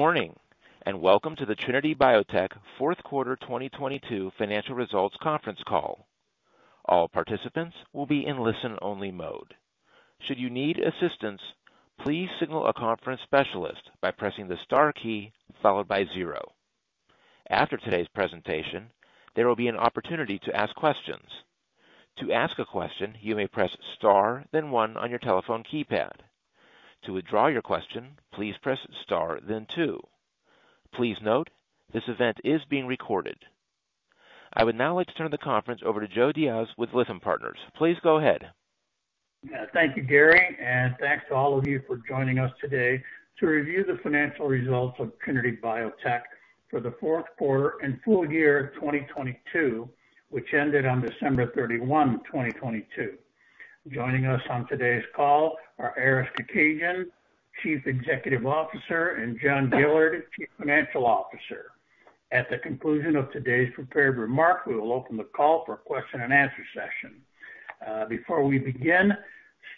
Good morning, welcome to the Trinity Biotech fourth quarter 2022 financial results conference call. All participants will be in listen-only mode. Should you need assistance, please signal a conference specialist by pressing the star key followed by zero. After today's presentation, there will be an opportunity to ask questions. To ask a question, you may press star then one on your telephone keypad. To withdraw your question, please press star then two. Please note, this event is being recorded. I would now like to turn the conference over to Joe Diaz with Lytham Partners. Please go ahead. Yeah. Thank you Gary, and thanks to all of you for joining us today to review the financial results of Trinity Biotech for the fourth quarter and full year of 2022, which ended on December 31, 2022. Joining us on today's call are Aris Kekedjian, Chief Executive Officer, and John Gillard, Chief Financial Officer. At the conclusion of today's prepared remarks, we will open the call for a question and answer session. Before we begin,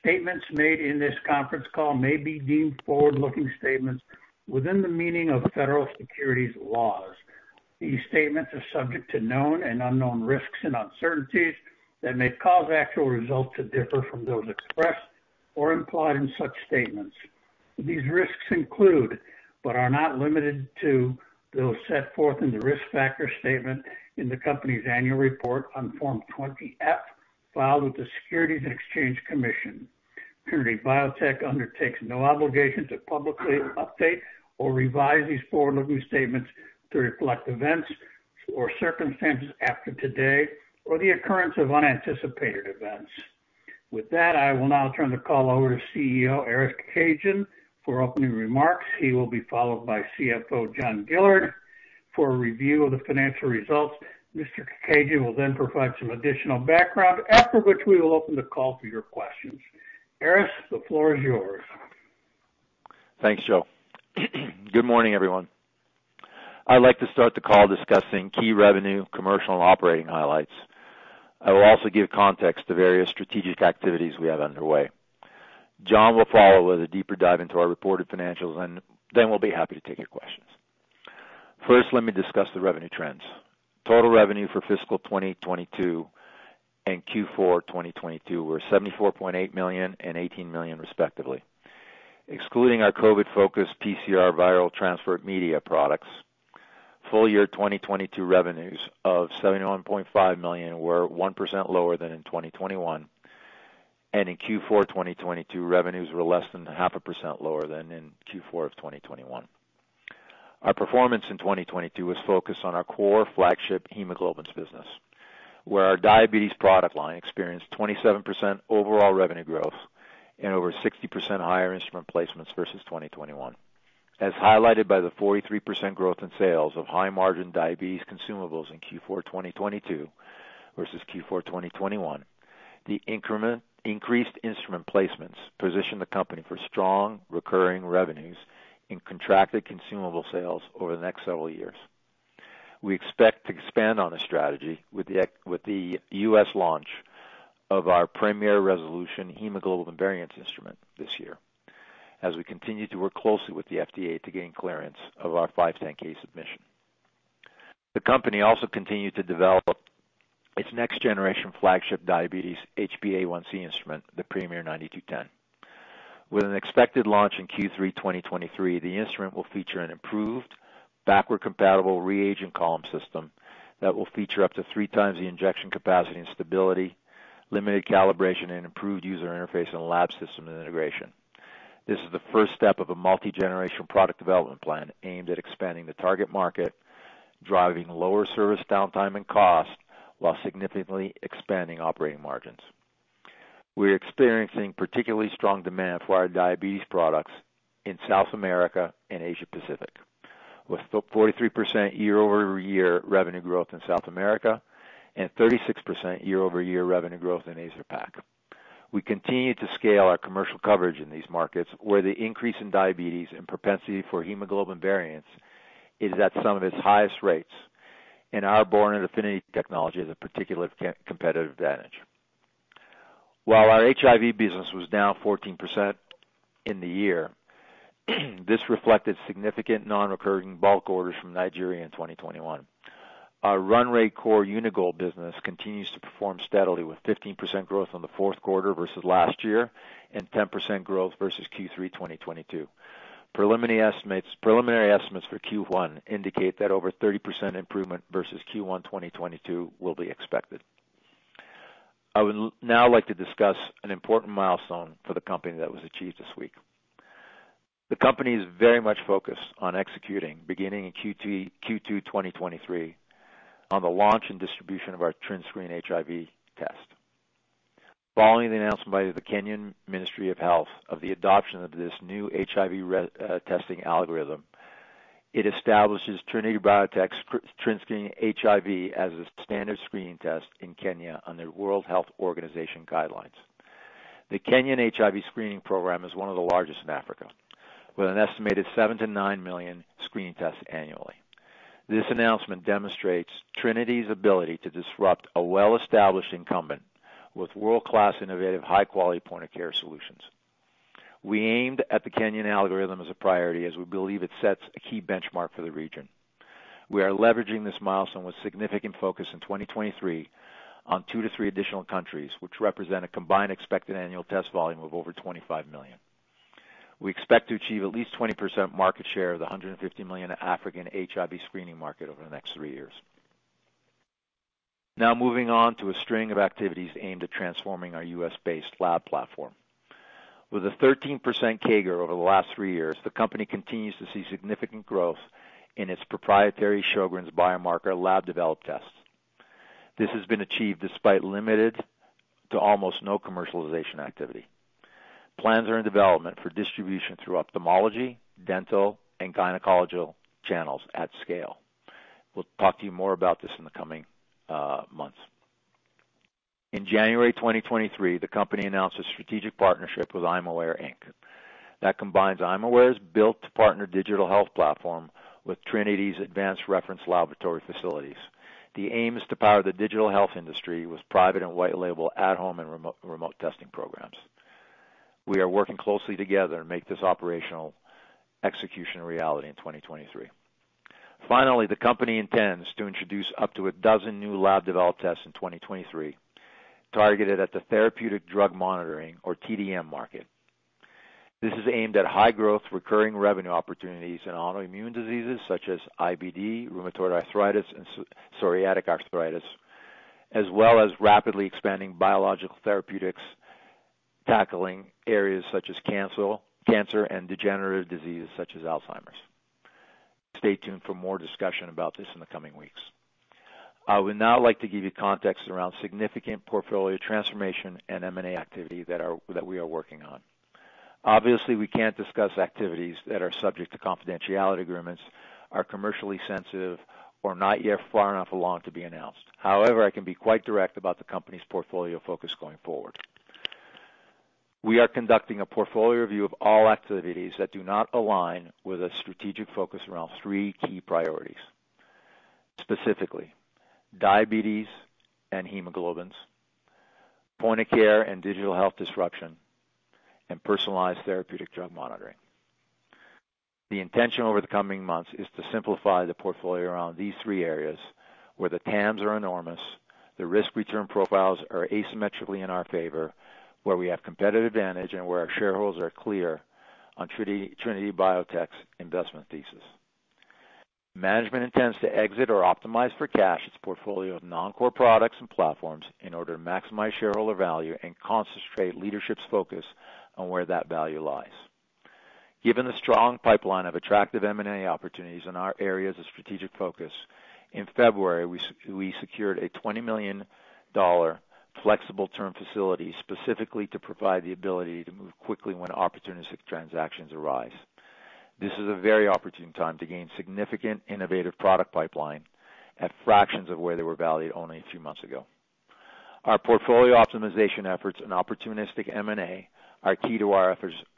statements made in this conference call may be deemed forward-looking statements within the meaning of federal securities laws. These statements are subject to known and unknown risks and uncertainties that may cause actual results to differ from those expressed or implied in such statements. These risks include, but are not limited to those set forth in the risk factor statement in the company's annual report on Form 20-F, filed with the Securities and Exchange Commission. Trinity Biotech undertakes no obligation to publicly update or revise these forward-looking statements to reflect events or circumstances after today or the occurrence of unanticipated events. I will now turn the call over to CEO Aris Kekedjian for opening remarks. He will be followed by CFO John Gillard for a review of the financial results. Mr. Kekedjian will then provide some additional background, after which we will open the call for your questions. Aris, the floor is yours. Thanks, Joe. Good morning, everyone. I'd like to start the call discussing key revenue, commercial and operating highlights. I will also give context to various strategic activities we have underway. John will follow with a deeper dive into our reported financials, then we'll be happy to take your questions. First, let me discuss the revenue trends. Total revenue for fiscal 2022 and Q4 2022 were $74.8 million and $18 million, respectively. Excluding our COVID-focused PCR viral transport media products, full year 2022 revenues of $71.5 million were 1% lower than in 2021. In Q4 2022, revenues were less than 0.5% lower than in Q4 of 2021. Our performance in 2022 was focused on our core flagship hemoglobins business, where our diabetes product line experienced 27% overall revenue growth and over 60% higher instrument placements versus 2021. As highlighted by the 43% growth in sales of high-margin diabetes consumables in Q4 2022 versus Q4 2021, increased instrument placements position the company for strong recurring revenues in contracted consumable sales over the next several years. We expect to expand on this strategy with the U.S. launch of our Premier Resolution hemoglobin variants instrument this year as we continue to work closely with the FDA to gain clearance of our 510(k) submission. The company also continued to develop its next-generation flagship diabetes HbA1c instrument, the Premier 9210. With an expected launch in Q3 2023, the instrument will feature an improved backward-compatible reagent column system that will feature up to three times the injection capacity and stability, limited calibration, and improved user interface and lab system integration. This is the first step of a multi-generational product development plan aimed at expanding the target market, driving lower service downtime and cost, while significantly expanding operating margins. We're experiencing particularly strong demand for our diabetes products in South America and Asia Pacific, with 43% year-over-year revenue growth in South America and 36% year-over-year revenue growth in Asia-Pac. We continue to scale our commercial coverage in these markets, where the increase in diabetes and propensity for hemoglobin variance is at some of its highest rates, and our Boronate Affinity technology is a particular competitive advantage. While our HIV business was down 14% in the year, this reflected significant non-recurring bulk orders from Nigeria in 2021. Our run rate core Uni-Gold business continues to perform steadily, with 15% growth on the fourth quarter versus last year and 10% growth versus Q3 2022. Preliminary estimates for Q1 indicate that over 30% improvement versus Q1 2022 will be expected. I would now like to discuss an important milestone for the company that was achieved this week. The company is very much focused on executing, beginning in Q2 2023, on the launch and distribution of our TrinScreen HIV test. Following the announcement by the Kenyan Ministry of Health of the adoption of this new HIV testing algorithm, it establishes Trinity Biotech's TrinScreen HIV as a standard screening test in Kenya under World Health Organization guidelines. The Kenyan HIV screening program is one of the largest in Africa, with an estimated 7 million-9 million screening tests annually. This announcement demonstrates Trinity's ability to disrupt a well-established incumbent with world-class innovative high-quality point-of-care solutions. We aimed at the Kenyan algorithm as a priority as we believe it sets a key benchmark for the region. We are leveraging this milestone with significant focus in 2023 on two-three additional countries, which represent a combined expected annual test volume of over 25 million. We expect to achieve at least 20% market share of the 150 million African HIV screening market over the next three years. Now moving on to a string of activities aimed at transforming our U.S.-based lab platform. With a 13% CAGR over the last three years, the company continues to see significant growth in its proprietary Sjögren's biomarker lab developed tests. This has been achieved despite limited to almost no commercialization activity. Plans are in development for distribution through ophthalmology, dental, and gynecological channels at scale. We'll talk to you more about this in the coming months. In January 2023, the company announced a strategic partnership with imaware Inc. That combines imaware's built partner digital health platform with Trinity's advanced reference laboratory facilities. The aim is to power the digital health industry with private and white label at home and remote testing programs. We are working closely together to make this operational execution a reality in 2023. Finally, the company intends to introduce up to a dozen new lab-developed tests in 2023, targeted at the therapeutic drug monitoring or TDM market. This is aimed at high-growth, recurring revenue opportunities in autoimmune diseases such as IBD, rheumatoid arthritis, and psoriatic arthritis, as well as rapidly expanding biological therapeutics, tackling areas such as cancer and degenerative diseases such as Alzheimer's. Stay tuned for more discussion about this in the coming weeks. I would now like to give you context around significant portfolio transformation and M&A activity that we are working on. Obviously, we can't discuss activities that are subject to confidentiality agreements are commercially sensitive, or not yet far enough along to be announced. However I can be quite direct about the company's portfolio focus going forward. We are conducting a portfolio review of all activities that do not align with a strategic focus around three key priorities, specifically diabetes and hemoglobins, point of care and digital health disruption, and personalized therapeutic drug monitoring. The intention over the coming months is to simplify the portfolio around these three areas where the TAMs are enormous, the risk-return profiles are asymmetrically in our favor, where we have competitive advantage and where our shareholders are clear on Trinity Biotech's investment thesis. Management intends to exit or optimize for cash its portfolio of non-core products and platforms in order to maximize shareholder value and concentrate leadership's focus on where that value lies. Given the strong pipeline of attractive M&A opportunities in our areas of strategic focus, in February we secured a $20 million flexible term facility specifically to provide the ability to move quickly when opportunistic transactions arise. This is a very opportune time to gain significant innovative product pipeline at fractions of where they were valued only a few months ago. Our portfolio optimization efforts and opportunistic M&A are key to our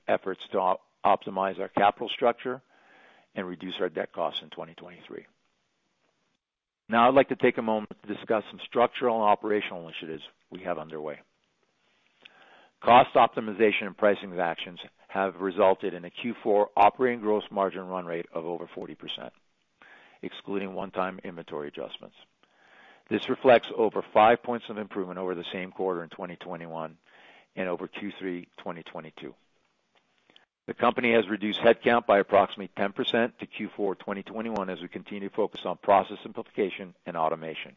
efforts to optimize our capital structure and reduce our debt costs in 2023. I'd like to take a moment to discuss some structural and operational initiatives we have underway. Cost optimization and pricing actions have resulted in a Q4 operating gross margin run rate of over 40%, excluding one-time inventory adjustments. This reflects over five points of improvement over the same quarter in 2021 and over Q3 2022. The company has reduced headcount by approximately 10% to Q4 2021 as we continue to focus on process simplification and automation.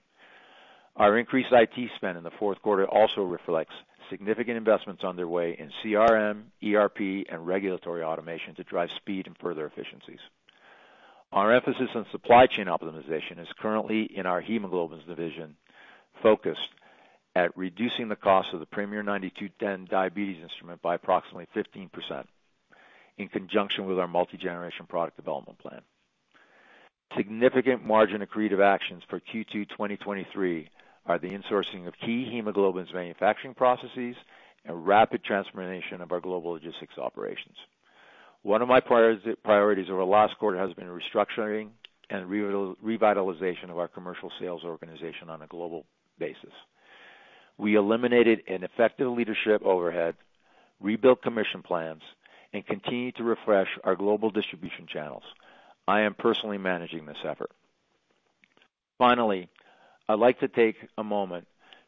Our increased IT spend in the fourth quarter also reflects significant investments underway in CRM, ERP and regulatory automation to drive speed and further efficiencies. Our emphasis on supply chain optimization is currently in our hemoglobins division, focused at reducing the cost of the Premier 9210 diabetes instrument by approximately 15% in conjunction with our multi-generation product development plan. Significant margin accretive actions for Q2 2023 are the insourcing of key hemoglobins manufacturing processes and rapid transformation of our global logistics operations. One of my priorities over the last quarter has been restructuring and revitalization of our commercial sales organization on a global basis. We eliminated ineffective leadership overhead, rebuilt commission plans and continued to refresh our global distribution channels. I am personally managing this effort. Finally, I'd like to take a moment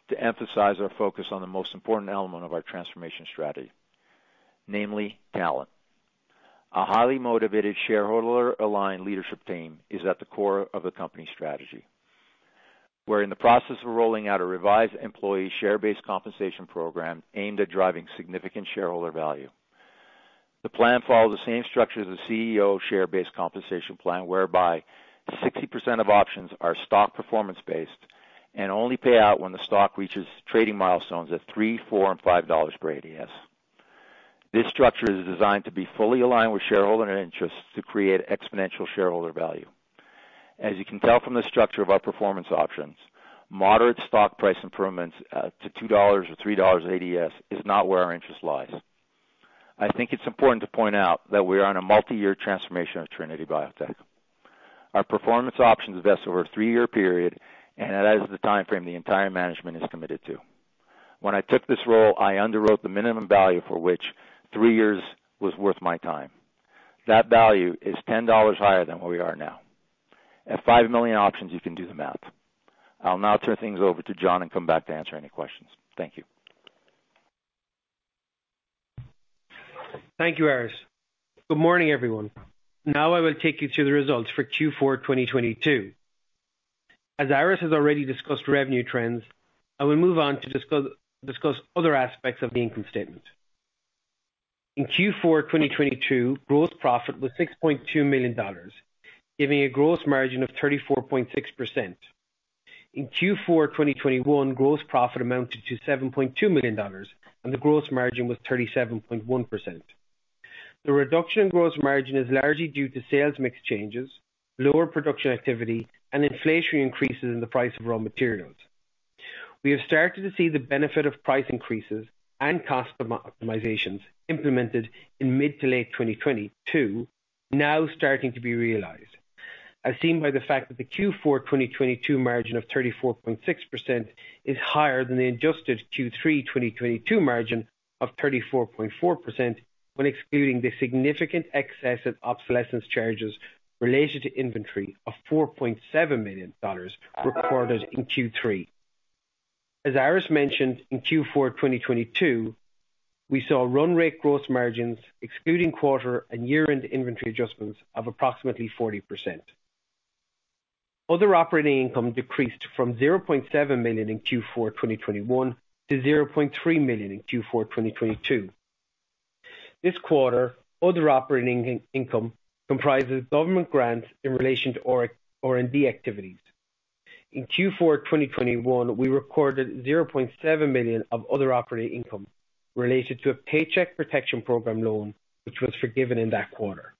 to emphasize our focus on the most important element of our transformation strategy, namely talent. A highly motivated shareholder-aligned leadership team is at the core of the company's strategy. We're in the process of rolling out a revised employee share-based compensation program aimed at driving significant shareholder value. The plan follows the same structure as the CEO share-based compensation plan, whereby 60% of options are stock performance-based and only pay out when the stock reaches trading milestones at $3, $4, and $5 per ADS. This structure is designed to be fully aligned with shareholder interests to create exponential shareholder value. As you can tell from the structure of our performance options, moderate stock price improvements, to $2 or $3 ADS is not where our interest lies. I think it's important to point out that we are on a multi-year transformation of Trinity Biotech. Our performance options vest over a three-year period, and that is the timeframe the entire management is committed to. When I took this role, I underwrote the minimum value for which three years was worth my time. That value is $10 higher than where we are now. At 5 million options, you can do the math. I'll now turn things over to John and come back to answer any questions. Thank you. Thank you, Aris. Good morning, everyone. Now I will take you through the results for Q4 2022. As Aris has already discussed revenue trends, I will move on to discuss other aspects of the income statement. In Q4 2022, gross profit was $6.2 million, giving a gross margin of 34.6%. In Q4 2021, gross profit amounted to $7.2 million. The gross margin was 37.1%. The reduction in gross margin is largely due to sales mix changes, lower production activity, and inflationary increases in the price of raw materials. We have started to see the benefit of price increases and cost optimizations implemented in mid to late 2022 now starting to be realized, as seen by the fact that the Q4 2022 margin of 34.6% is higher than the adjusted Q3 2022 margin of 34.4% when excluding the significant excess of obsolescence charges related to inventory of $4.7 million recorded in Q3. As Aris mentioned, in Q4 2022, we saw run rate gross margins excluding quarter and year-end inventory adjustments of approximately 40%. Other operating income decreased from $0.7 million in Q4 2021 to $0.3 million in Q4 2022. This quarter, other operating income comprises government grants in relation to R&D activities. In Q4 2021, we recorded $0.7 million of other operating income related to a Paycheck Protection Program loan, which was forgiven in that quarter.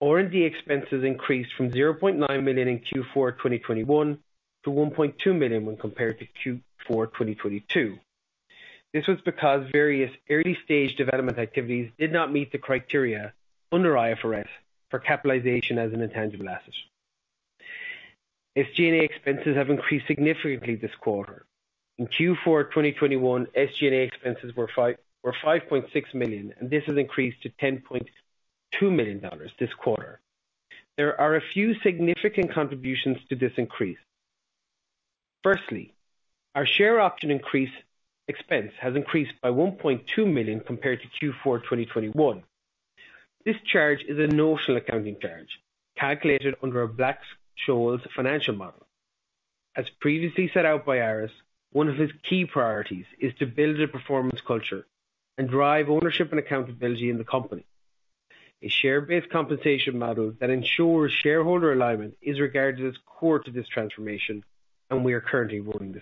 R&D expenses increased from $0.9 million in Q4 2021 to $1.2 million when compared to Q4 2022. This was because various early stage development activities did not meet the criteria under IFRS for capitalization as an intangible asset. SG&A expenses have increased significantly this quarter. In Q4 2021, SG&A expenses were $5.6 million, and this has increased to $10.2 million this quarter. There are a few significant contributions to this increase. Firstly, our share option increase expense has increased by $1.2 million compared to Q4 2021. This charge is a notional accounting charge calculated under a Black-Scholes financial model. As previously set out by Aris, one of his key priorities is to build a performance culture and drive ownership and accountability in the company. A share-based compensation model that ensures shareholder alignment is regarded as core to this transformation, and we are currently rolling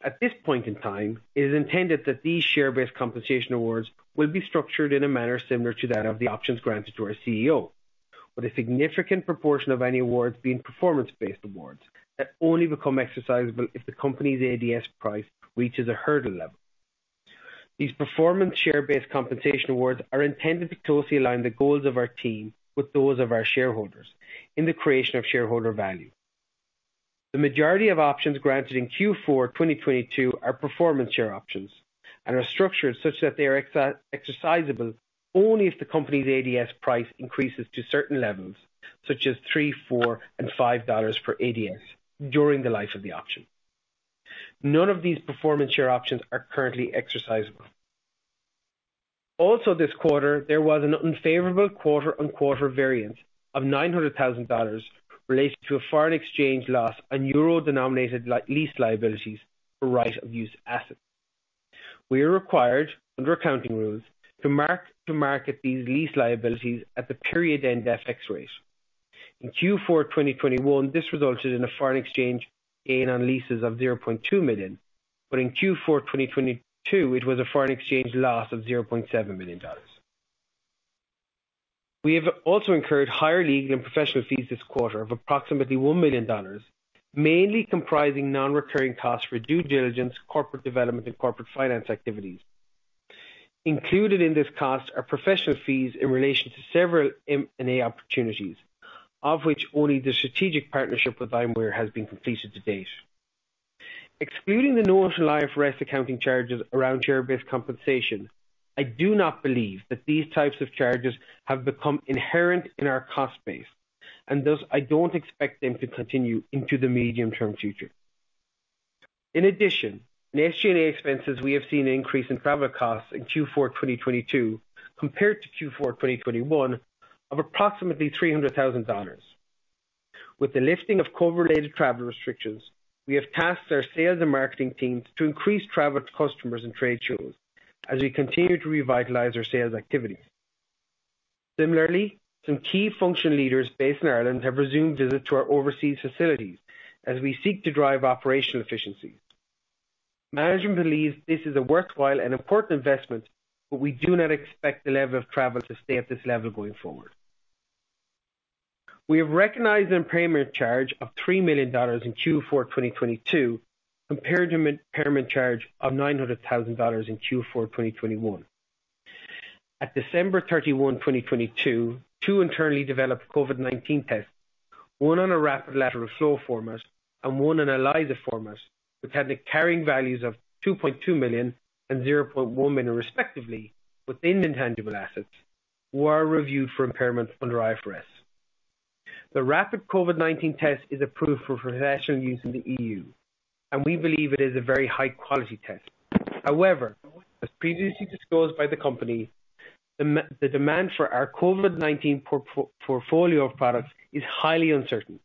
this out. At this point in time, it is intended that these share-based compensation awards will be structured in a manner similar to that of the options granted to our CEO with a significant proportion of any awards being performance-based awards that only become exercisable if the company's ADS price reaches a hurdle level. These performance share-based compensation awards are intended to closely align the goals of our team with those of our shareholders in the creation of shareholder value. The majority of options granted in Q4 2022 are performance share options and are structured such that they are exercisable only if the company's ADS price increases to certain levels, such as $3, $4, and $5 per ADS during the life of the option. None of these performance share options are currently exercisable. Also, this quarter, there was an unfavorable quarter-on-quarter variance of $900,000 related to a foreign exchange loss on euro-denominated lease liabilities for right-of-use assets. We are required under accounting rules to mark to market these lease liabilities at the period-end FX rate. In Q4 2021, this resulted in a foreign exchange gain on leases of $0.2 million, but in Q4 2022, it was a foreign exchange loss of $0.7 million. We have also incurred higher legal and professional fees this quarter of approximately $1 million, mainly comprising non-recurring costs for due diligence, corporate development, and corporate finance activities. Included in this cost are professional fees in relation to several M&A opportunities, of which only the strategic partnership with imaware has been completed to date. Excluding the notional IFRS accounting charges around share-based compensation, I do not believe that these types of charges have become inherent in our cost base. Thus, I don't expect them to continue into the medium-term future. In addition, in SG&A expenses, we have seen an increase in travel costs in Q4 2022 compared to Q4 2021 of approximately $300,000. With the lifting of COVID-related travel restrictions, we have tasked our sales and marketing teams to increase travel to customers and trade shows as we continue to revitalize our sales activity. Similarly, some key function leaders based in Ireland have resumed visits to our overseas facilities as we seek to drive operational efficiencies. Management believes this is a worthwhile and important investment, but we do not expect the level of travel to stay at this level going forward. We have recognized an impairment charge of $3 million in Q4 2022 compared to an impairment charge of $900,000 in Q4 2021. At December 31, 2022, 2 internally developed COVID-19 tests, one on a rapid lateral flow format and one in ELISA format with carrying values of $2.2 million and $0.1 million respectively within intangible assets were reviewed for impairment under IFRS. The rapid COVID-19 test is approved for professional use in the EU, and we believe it is a very high-quality test. However, as previously disclosed by the company, the demand for our COVID-19 portfolio of products is highly uncertain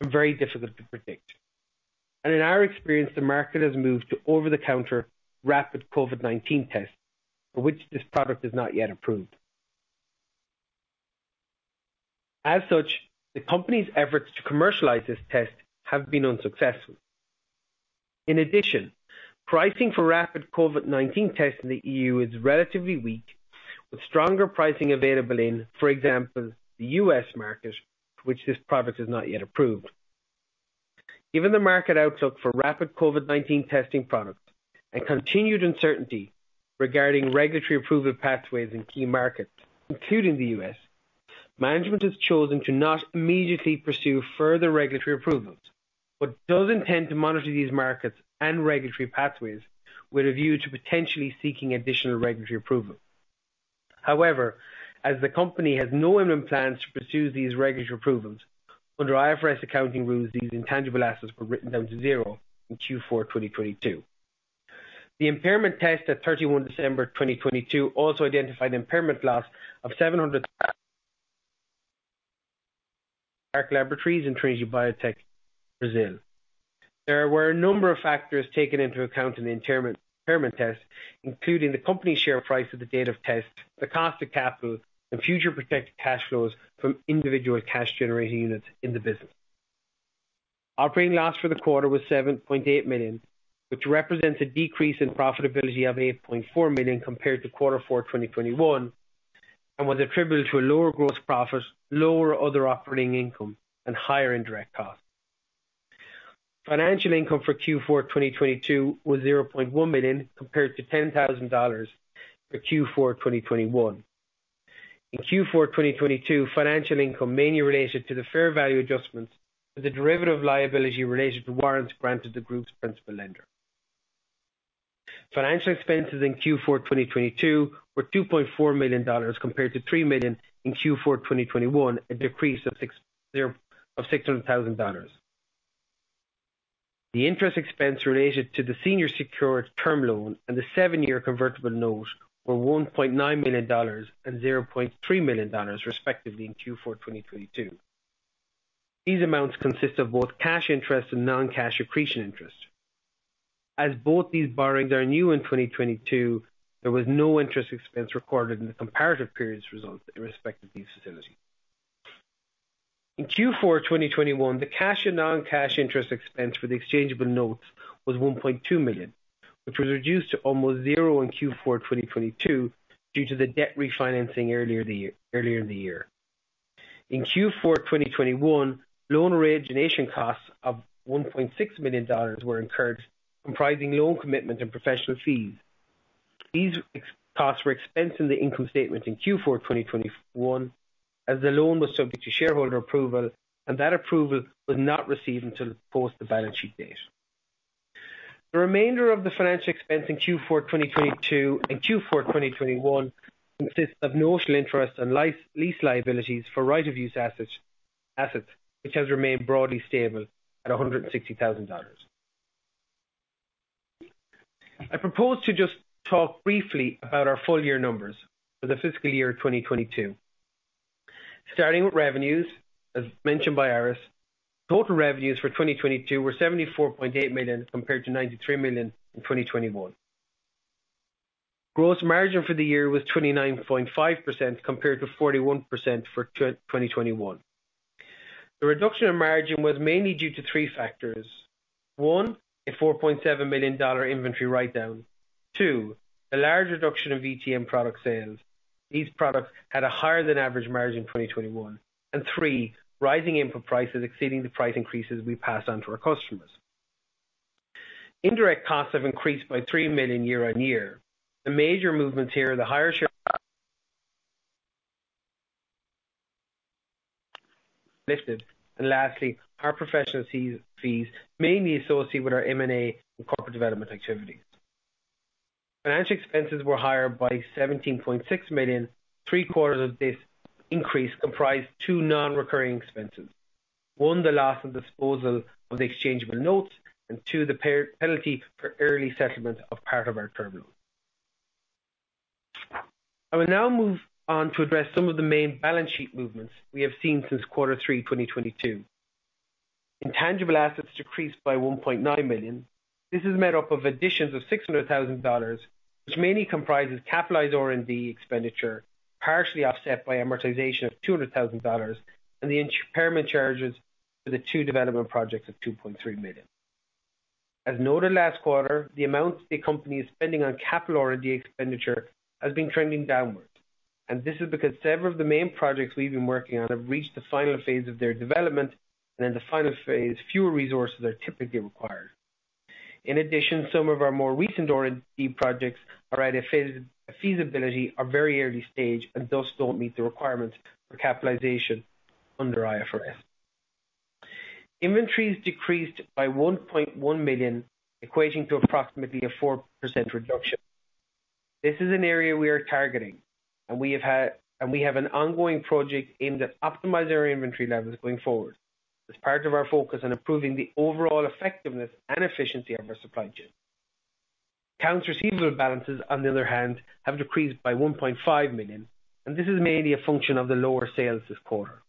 and very difficult to predict. In our experience, the market has moved to over-the-counter rapid COVID-19 tests for which this product is not yet approved. As such, the company's efforts to commercialize this test have been unsuccessful. In addition, pricing for rapid COVID-19 tests in the EU is relatively weak, with stronger pricing available in, for example the U.S. market, for which this product is not yet approved. Given the market outlook for rapid COVID-19 testing products and continued uncertainty regarding regulatory approval pathways in key markets, including the U.S., management has chosen to not immediately pursue further regulatory approvals, but does intend to monitor these markets and regulatory pathways with a view to potentially seeking additional regulatory approval. However, as the company has no imminent plans to pursue these regulatory approvals under IFRS accounting rules, these intangible assets were written down to zero in Q4 2022. The impairment test at December 31, 2022 also identified impairment loss of $700 Clark Laboratories in Trinity Biotech Do Brasil. There were a number of factors taken into account in the impairment test, including the company share price at the date of test, the cost of capital and future protected cash flows from individual cash generating units in the business. Operating loss for the quarter was $7.8 million, which represents a decrease in profitability of $8.4 million compared to Q4 2021, was attributed to a lower gross profit, lower other operating income and higher indirect costs. Financial income for Q4 2022 was $0.1 million compared to $10,000 for Q4 2021. In Q4 2022, financial income mainly related to the fair value adjustments to the derivative liability related to warrants granted to group's principal lender. Financial expenses in Q4 2022 were $2.4 million compared to $3 million in Q4 2021, a decrease of $600,000. The interest expense related to the senior secured term loan and the seven-year convertible note were $1.9 million and $0.3 million respectively in Q4 2022. These amounts consist of both cash interest and non-cash accretion interest. As both these borrowings are new in 2022, there was no interest expense recorded in the comparative periods results in respect of these facilities. In Q4 2021 the cash and non-cash interest expense for the exchangeable notes was $1.2 million, which was reduced to almost zero in Q4 2022 due to the debt refinancing earlier in the year. In Q4 2021, loan origination costs of $1.6 million were incurred, comprising loan commitment and professional fees. These costs were expensed in the income statement in Q4 2021 as the loan was subject to shareholder approval and that approval was not received until post the balance sheet date. The remainder of the financial expense in Q4 2022 and Q4 2021 consists of notional interest on lease liabilities for right-of-use assets, which has remained broadly stable at $160,000. I propose to just talk briefly about our full year numbers for the fiscal year 2022. Starting with revenues, as mentioned by Aris, total revenues for 2022 were $74.8 million compared to $93 million in 2021. Gross margin for the year was 29.5% compared to 41% for 2021. The reduction in margin was mainly due to three factors. 1, a $4.7 million inventory write down. Two, a large reduction of VTM product sales. These products had a higher than average margin in 2021. Three, rising input prices exceeding the price increases we passed on to our customers. Indirect costs have increased by $3 million year-on-year. The major movements here are the higher share listed. Lastly, our professional fees mainly associated with our M&A and corporate development activities. Financial expenses were higher by $17.6 million. Three quarters of this increase comprised 2 non-recurring expenses. One, the loss and disposal of the exchangeable notes, and two, the penalty for early settlement of part of our term loan. I will now move on to address some of the main balance sheet movements we have seen since Q3 2022. Intangible assets decreased by $1.9 million. This is made up of additions of $600,000, which mainly comprises capitalized R&D expenditure, partially offset by amortization of $200,000 and the impairment charges for the two development projects of $2.3 million. As noted last quarter, the amount the company is spending on capital R&D expenditure has been trending downward. This is because several of the main projects we've been working on have reached the final phase of their development and in the final phase, fewer resources are typically required. In addition, some of our more recent R&D projects are at feasibility are very early stage and thus don't meet the requirements for capitalization under IFRS. Inventories decreased by $1.1 million, equating to approximately a 4% reduction. This is an area we are targeting, we have an ongoing project aimed at optimizing our inventory levels going forward as part of our focus on improving the overall effectiveness and efficiency of our supply chain. Accounts receivable balances, on the other hand, have decreased by $1.5 million, this is mainly a function of the lower sales this quarter.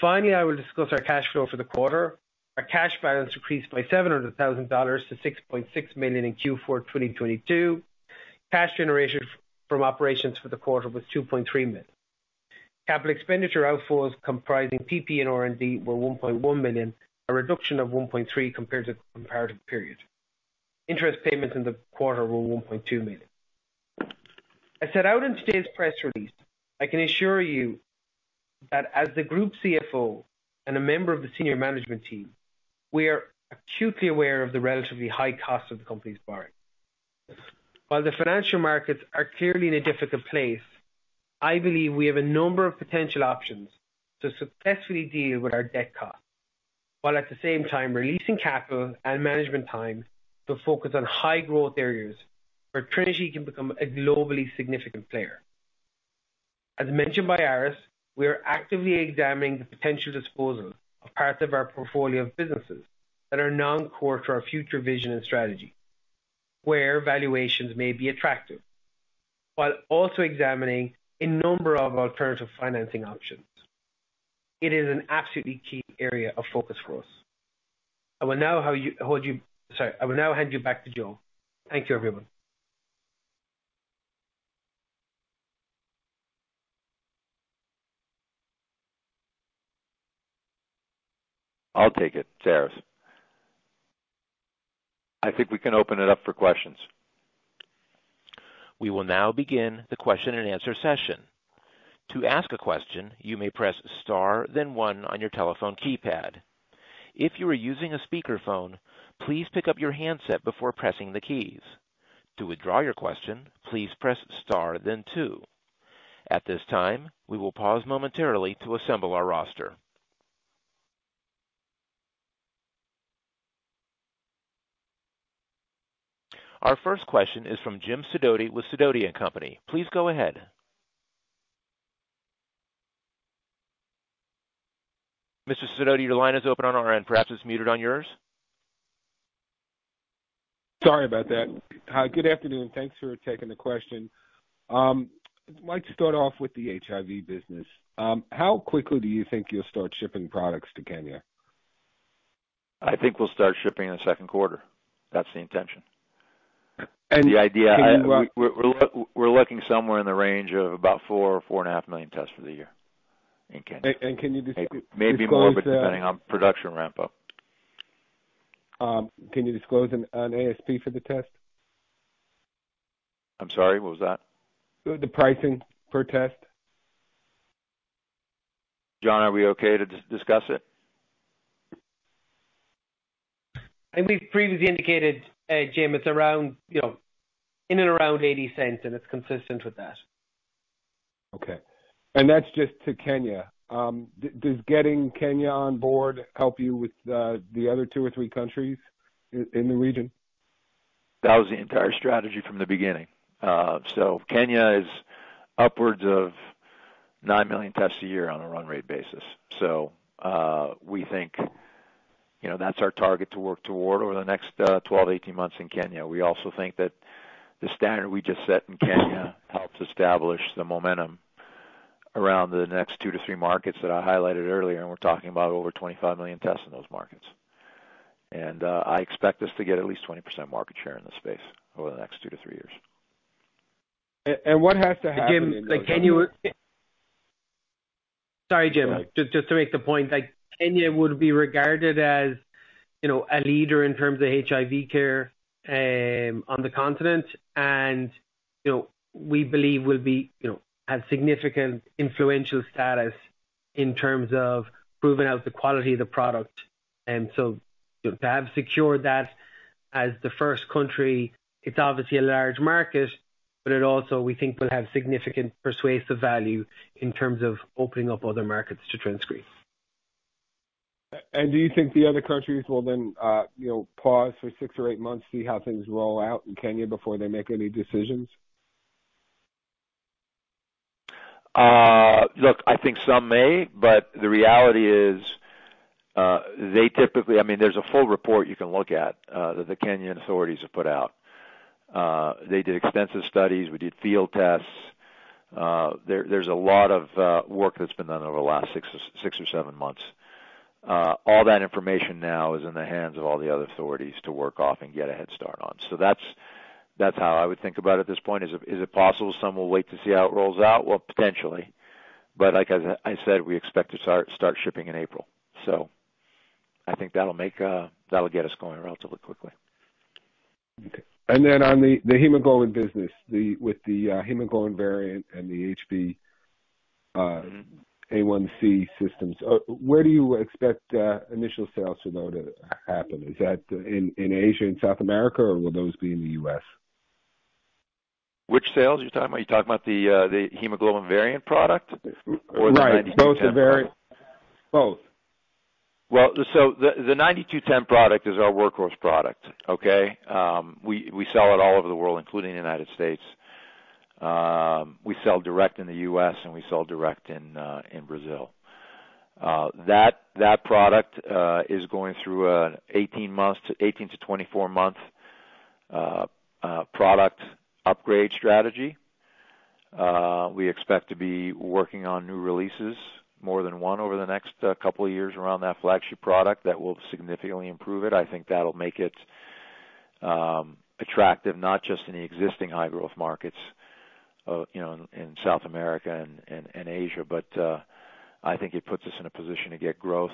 Finally I will discuss our cash flow for the quarter. Our cash balance decreased by $700,000 to $6.6 million in Q4 2022. Cash generation from operations for the quarter was $2.3 million. Capital expenditure outflows comprising PP&R&D were $1.1 million, a reduction of $1.3 million compared to the comparative period. Interest payments in the quarter were $1.2 million. As set out in today's press release, I can assure you that as the group CFO and a member of the senior management team, we are acutely aware of the relatively high cost of the company's borrowing. While the financial markets are clearly in a difficult place, I believe we have a number of potential options to successfully deal with our debt costs, while at the same time releasing capital and management time to focus on high-growth areas where Trinity can become a globally significant player. As mentioned by Aris, we are actively examining the potential disposal of parts of our portfolio of businesses that are non-core to our future vision and strategy, where valuations may be attractive, while also examining a number of alternative financing options. It is an absolutely key area of focus for us. I will now hand you back to Joe. Thank you, everyone. I'll take it. It's Aris. I think we can open it up for questions. We will now begin the question-and-answer session. To ask a question, you may press star then one on your telephone keypad. If you are using a speakerphone, please pick up your handset before pressing the keys. To withdraw your question, please press star then two. At this time, we will pause momentarily to assemble our roster. Our first question is from Jim Sidoti with Sidoti & Company. Please go ahead. Mr. Sidoti, your line is open on our end. Perhaps it's muted on yours. Sorry about that. Good afternoon. Thanks for taking the question. I'd like to start off with the HIV business. How quickly do you think you'll start shipping products to Kenya? I think we'll start shipping in the second quarter. That's the intention. And can you = The idea, we're looking somewhere in the range of about 4.5 million tests for the year in Kenya. Can you disclose - Maybe more but depending on production ramp-up. Can you disclose an ASP for the test? I'm sorry, what was that? The pricing per test. John, are we okay to discuss it? I think we've previously indicated Jim, it's around, you know, in and around $0.80. It's consistent with that. Okay. That's just to Kenya. Does getting Kenya on board help you with the other two or three countries in the region? That was the entire strategy from the beginning. Kenya is upwards of 9 million tests a year on a run rate basis. We think, you know, that's our target to work toward over the next 12 to 18 months in Kenya. We also think that the standard we just set in Kenya helps establish the momentum around the next two to three markets that I highlighted earlier, we're talking about over 25 million tests in those markets. I expect us to get at least 20% market share in this space over the next two to three years. Sorry, Jim. Just to make the point, like Kenya would be regarded as, you know, a leader in terms of HIV care on the continent. You know, we believe will be, you know, have significant influential status in terms of proving out the quality of the product. To have secured that as the first country, it's obviously a large market but it also, we think, will have significant persuasive value in terms of opening up other markets to TrinScreen. Do you think the other countries will then, you know, pause for six or eight months, see how things roll out in Kenya before they make any decisions? Look, I think some may but the reality is, they typically - I mean there's a full report you can look at, that the Kenyan authorities have put out. They did extensive studies. We did field tests. There's a lot of work that's been done over the last six or seven months. All that information now is in the hands of all the other authorities to work off and get a head start on. That's how I would think about it at this point. Is it possible some will wait to see how it rolls out? Well potentially, but like I said, we expect to start shipping in April. I think that'll make that'll get us going relatively quickly. Okay. On the hemoglobin business, with the hemoglobin variant and the HbA1c systems, where do you expect initial sales to know to happen? Is that in Asia and South America or will those be in the U.S.? Which sales are you talking? Are you talking about the hemoglobin variant product or the 9210 product? Right. Both the variant. Both. The 9210 product is our workhorse product, okay? We sell it all over the world including the United States. We sell direct in the US and we sell direct in Brazil. That product is going through an 18 months, 18-24 month product upgrade strategy. We expect to be working on new releases, more than one over the next couple of years around that flagship product that will significantly improve it. I think that'll make it attractive, not just in the existing high growth markets, you know in South America and Asia, but I think it puts us in a position to get growth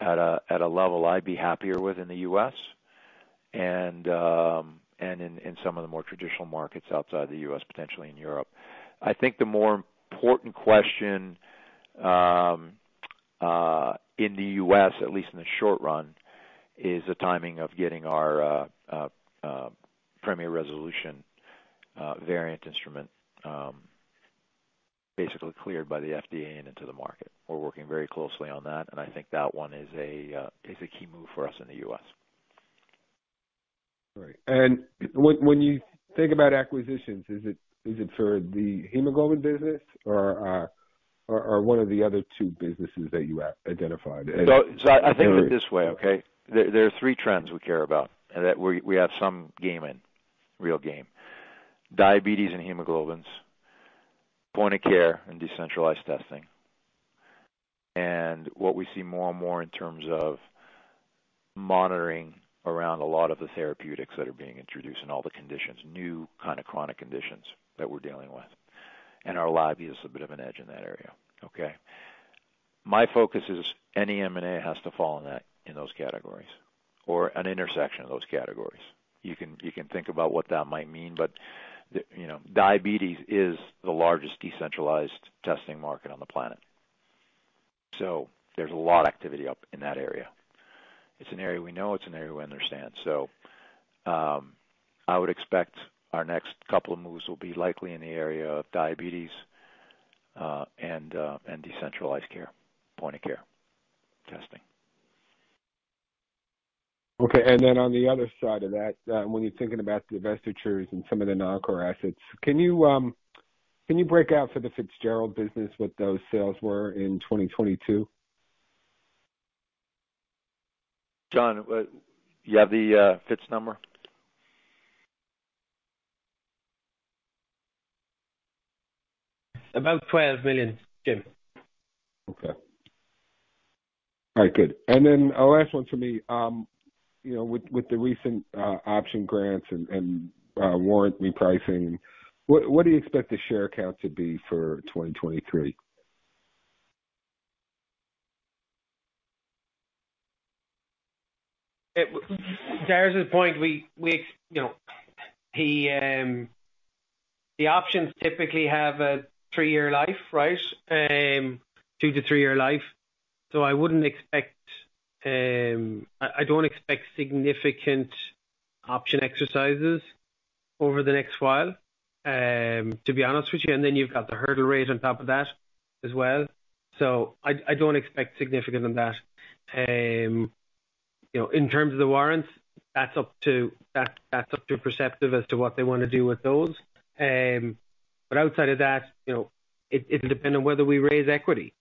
at a level I'd be happier with in the U.S. and in some of the more traditional markets outside the U.S., potentially in Europe. I think the more important question in the U.S., at least in the short run, is the timing of getting our Premier Resolution variant instrument basically cleared by the FDA and into the market. We're working very closely on that. I think that one is a key move for us in the U.S. Right. When you think about acquisitions, is it for the hemoglobin business or one of the other two businesses that you identified? I think of it this way, okay. There are three trends we care about and that we have some game in, real game. Diabetes and hemoglobins, point of care and decentralized testing. What we see more and more in terms of monitoring around a lot of the therapeutics that are being introduced and all the conditions, new kind of chronic conditions that we're dealing with. Our lobby is a bit of an edge in that area, okay? My focus is any M&A has to fall in those categories or an intersection of those categories. You can think about what that might mean, but you know, diabetes is the largest decentralized testing market on the planet. There's a lot of activity up in that area. It's an area we know, it's an area we understand. I would expect our next couple of moves will be likely in the area of diabetes, and decentralized care, point-of-care testing. Okay. On the other side of that, when you're thinking about the divestitures and some of the non-core assets, can you break out for the Fitzgerald business what those sales were in 2022? John, do you have the Fitz number? About $12 million, Jim. Okay. All right, good. Then a last one for me. you know, with the recent, option grants and warrant repricing, what do you expect the share count to be for 2023? To Aris's point, we, you know, the options typically have a three-year life, right? Two to three-year life, I wouldn't expect - I don't expect significant option exercises over the next while, to be honest with you. You've got the hurdle rate on top of that as well. I don't expect significant on that. You know, in terms of the warrants, that's up to Perceptive as to what they wanna do with those. Outside of that, you know it'll depend on whether we raise equity.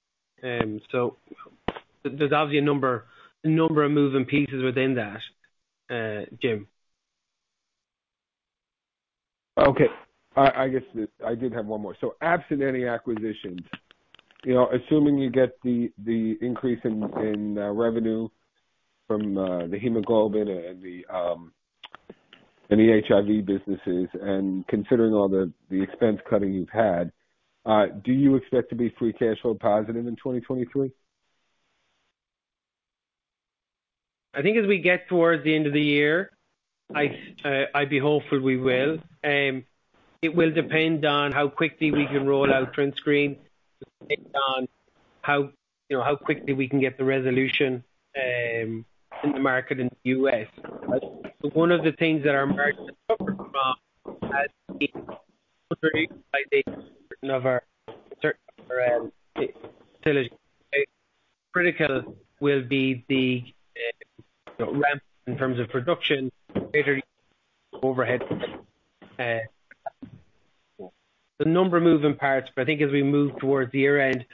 There's obviously a number of moving pieces within that, Jim. Okay. I guess I did have one more. Absent any acquisitions, you know, assuming you get the increase in revenue from the hemoglobin and the HIV businesses and considering all the expense cutting you've had, do you expect to be free cash flow positive in 2023? I think as we get towards the end of the year, I'd be hopeful we will. It will depend on how quickly we can roll out TrinScreen HIV. Depend on how, you know, how quickly we can get the Resolution in the market in the U.S. One of the things that our margin suffer from has been certain of our critical will be the ramp in terms of production, greater overhead. There's a number of moving parts, but I think as we move towards the year-end.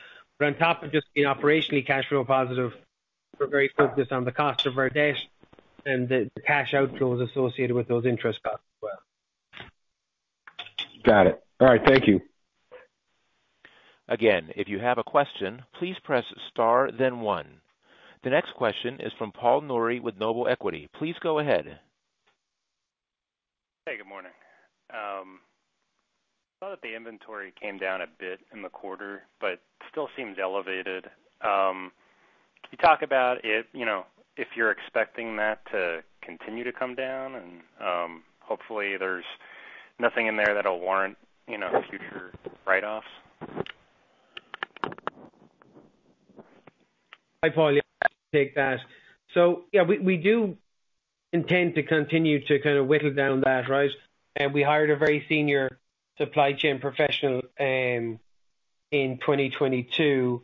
On top of just being operationally cash flow positive, we're very focused on the cost of our debt and the cash outflows associated with those interest costs as well. Got it. All right, thank you. Again, if you have a question, please press star then one. The next question is from Paul Nouri with Noble Equity. Please go ahead. Hey, good morning. Saw that the inventory came down a bit in the quarter but still seems elevated. Can you talk about if, you know, if you're expecting that to continue to come down and hopefully there's nothing in there that'll warrant, you know, future write-offs? Hi, Paul. Yeah, I can take that. Yeah, we do intend to continue to kind of whittle down that, right? We hired a very senior supply chain professional in 2022,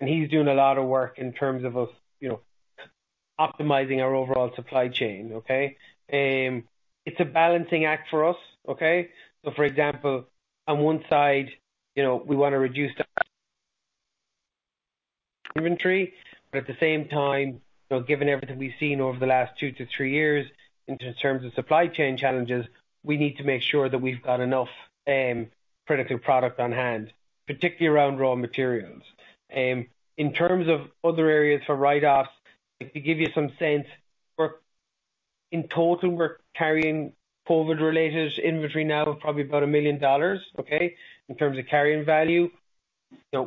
and he's doing a lot of work in terms of us, you know, optimizing our overall supply chain, okay? It's a balancing act for us, okay? For example, on one side, you know, we wanna reduce the inventory, but at the same time, you know, given everything we've seen over the last two to three years in terms of supply chain challenges, we need to make sure that we've got enough critical product on hand, particularly around raw materials. In terms of other areas for write-offs, like, to give you some sense, in total, we're carrying COVID-related inventory now of probably about $1 million, okay? In terms of carrying value.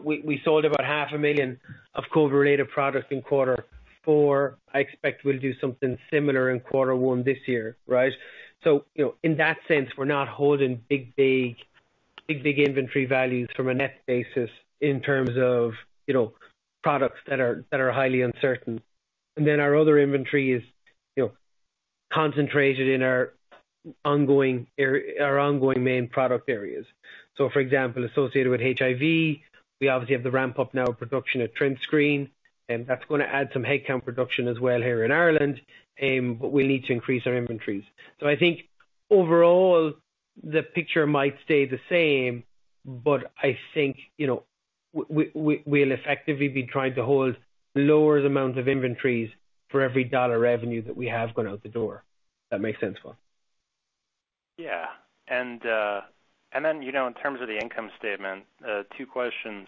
We sold about half a million of COVID-related products in quarter four. I expect we'll do something similar in quarter one this year, right? You know, in that sense, we're not holding big inventory values from a net basis in terms of, you know, products that are highly uncertain. Our other inventory is, you know, concentrated in our ongoing main product areas. For example, associated with HIV, we obviously have the ramp-up now of production at TrinScreen, and that's gonna add some headcount production as well here in Ireland, but we need to increase our inventories. I think overall the picture might stay the same, but I think, you know, we'll effectively be trying to hold lower amounts of inventories for every dollar revenue that we have going out the door. That make sense, Paul? You know, in terms of the income statement, two questions.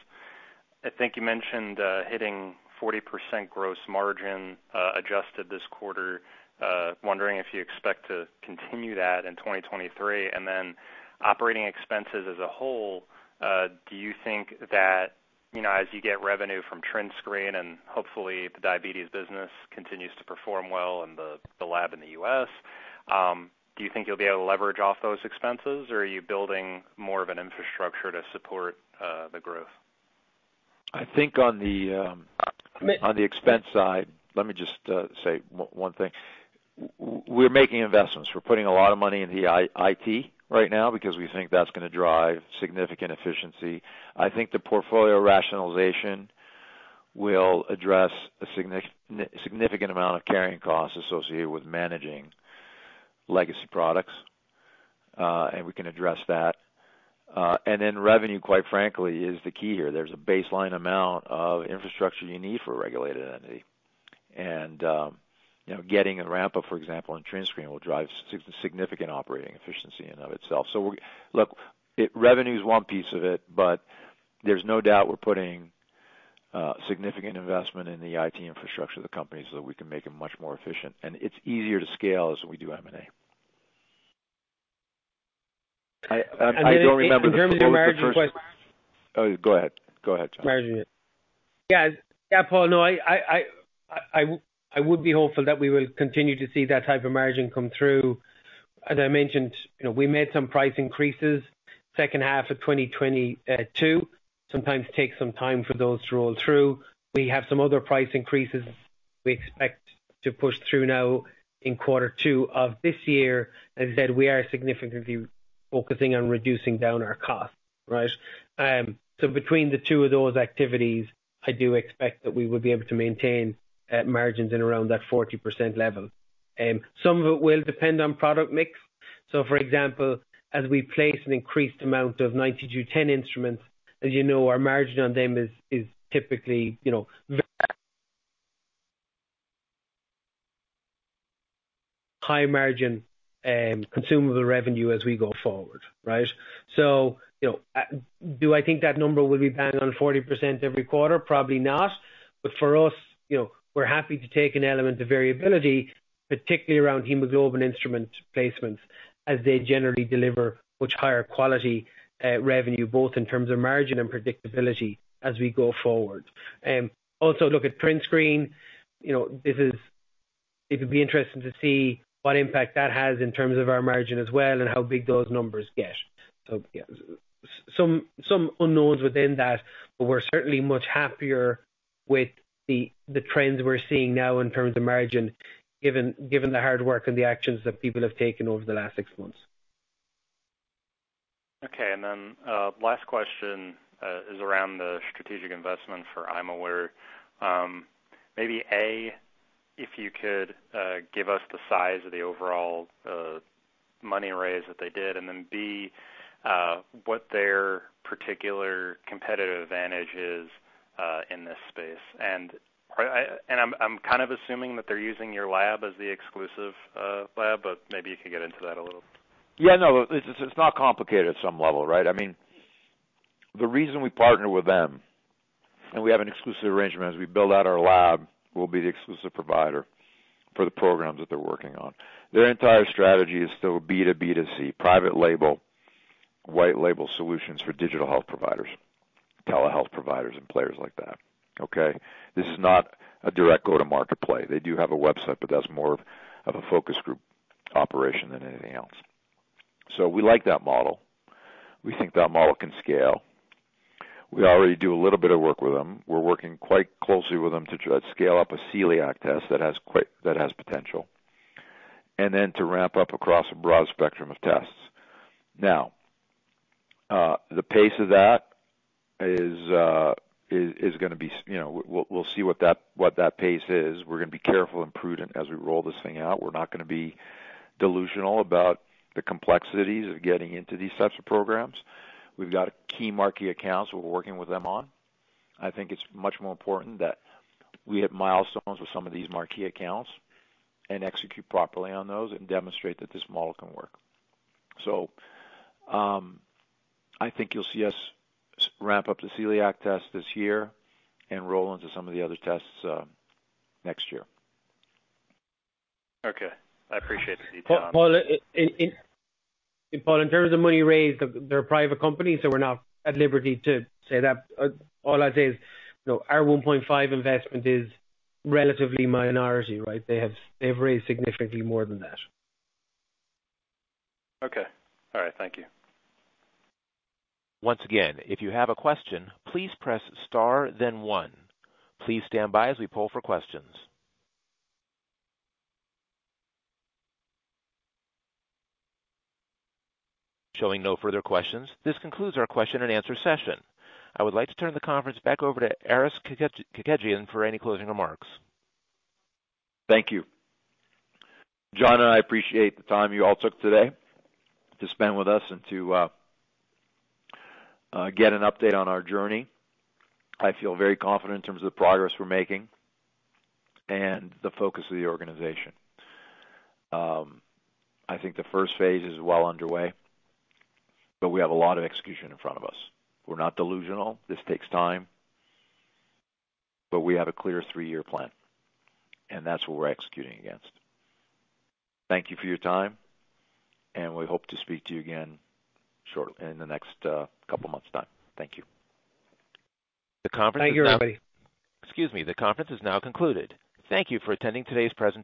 I think you mentioned hitting 40% gross margin adjusted this quarter. Wondering if you expect to continue that in 2023. Operating expenses as a whole, do you think that, you know, as you get revenue from TrinScreen, and hopefully the diabetes business continues to perform well in the lab in the U.S., do you think you'll be able to leverage off those expenses, or are you building more of an infrastructure to support the growth? I think on the expense side, let me just say one thing. We're making investments. We're putting a lot of money into IT right now because we think that's gonna drive significant efficiency. I think the portfolio rationalization will address a significant amount of carrying costs associated with managing legacy products, and we can address that. Revenue, quite frankly, is the key here. There's a baseline amount of infrastructure you need for a regulated entity. You know, getting a ramp-up, for example, in TrinScreen will drive significant operating efficiency in and of itself. We're... Look, revenue's one piece of it, but there's no doubt we're putting, significant investment in the IT infrastructure of the company so that we can make it much more efficient, and it's easier to scale as we do M&A. In terms of the margin question - Go ahead. Go ahead, John. Margin, yeah. Yeah, Paul, no, I would be hopeful that we will continue to see that type of margin come through. As I mentioned, you know, we made some price increases second half of 2022. Sometimes takes some time for those to roll through. We have some other price increases we expect to push through now in quarter two of this year. As I said, we are significantly focusing on reducing down our costs, right? Between the two of those activities, I do expect that we will be able to maintain margins in around that 40% level. Some of it will depend on product mix. For example, as we place an increased amount of Premier 9210 instruments, as you know, our margin on them is typically, you know, very high margin consumable revenue as we go forward, right? You know, do I think that number will be bang on 40% every quarter? Probably not. For us, you know, we're happy to take an element of variability, particularly around hemoglobin instrument placements, as they generally deliver much higher quality revenue, both in terms of margin and predictability as we go forward. Also look at TrinScreen. You know, it'll be interesting to see what impact that has in terms of our margin as well and how big those numbers get. Yeah. Some unknowns within that, but we're certainly much happier with the trends we're seeing now in terms of margin given the hard work and the actions that people have taken over the last six months. Last question is around the strategic investment for imaware. Maybe A, if you could, give us the size of the overall, money raise that they did, and then B, what their particular competitive advantage is, in this space. I'm kind of assuming that they're using your lab as the exclusive, lab, but maybe you could get into that a little. Yeah, no, this is - it's not complicated at some level, right? I mean, the reason we partner with them, and we have an exclusive arrangement as we build out our lab, we'll be the exclusive provider for the programs that they're working on. Their entire strategy is still B to B to C, private label, white label solutions for digital health providers, telehealth providers and players like that. Okay? This is not a direct-go-to-market play. They do have a website, but that's more of a focus group operation than anything else. We like that model. We think that model can scale. We already do a little bit of work with them. We're working quite closely with them to scale up a celiac test that has potential, and then to ramp up across a broad spectrum of tests. The pace of that is gonna be you know, we'll see what that pace is. We're gonna be careful and prudent as we roll this thing out. We're not gonna be delusional about the complexities of getting into these types of programs. We've got key marquee accounts we're working with them on. I think it's much more important that we hit milestones with some of these marquee accounts and execute properly on those and demonstrate that this model can work. I think you'll see us ramp up the celiac test this year and roll into some of the other tests next year. Okay. I appreciate the detail. And Paul, in terms of money raised, they're a private company, so we're not at liberty to say that. All I'd say is, you know, our $1.5 investment is relatively minority, right? They've raised significantly more than that. Okay. All right. Thank you. Once again, if you have a question, please press star then one. Please stand by as we poll for questions. Showing no further questions, this concludes our question and answer session. I would like to turn the conference back over to Aris Kekedjian for any closing remarks. Thank you. John, I appreciate the time you all took today to spend with us and to get an update on our journey. I feel very confident in terms of the progress we're making and the focus of the organization. I think the first phase is well underway. We have a lot of execution in front of us. We're not delusional. This takes time. We have a clear three-year plan. That's what we're executing against. Thank you for your time. We hope to speak to you again shortly in the next couple months' time. Thank you. The conference is now - Thank you, everybody. Excuse me. The conference is now concluded. Thank you for attending today's presentation.